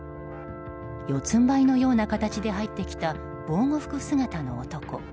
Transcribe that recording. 四つん這いのような形で入ってきた防護服姿の男。